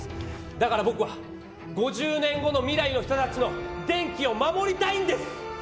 だからぼくは５０年後の未来の人たちの電気を守りたいんです！